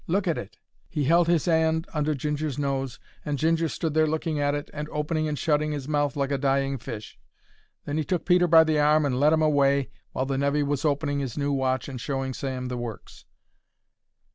Look at it!" He held his 'and under Ginger's nose, and Ginger stood there looking at it and opening and shutting 'is mouth like a dying fish. Then he took Peter by the arm and led'im away while the nevy was opening 'is new watch and showing Sam the works.